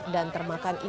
dan termakan isu